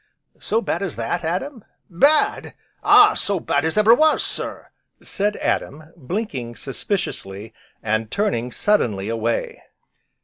"So bad as that, Adam?" "Bad! ah, so bad as ever was, sir!" said Adam, blinking suspiciously, and turning suddenly away.